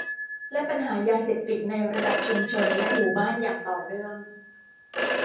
และปัญหายาเสพติดในระดับชุมชนและหมู่บ้านอย่างต่อเนื่อง